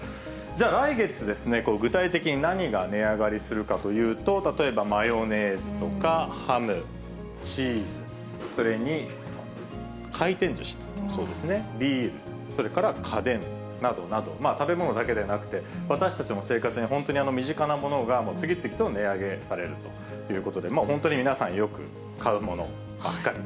じゃあ、来月、具体的に何が値上がりするかというと、例えばマヨネーズとかハム、チーズ、それに回転ずしもそうですね、ビール、それから家電などなど、食べ物だけでなくて、私たちの生活に本当に身近なものが次々と値上げされるということで、本当に皆さん、よく買うものばっかり。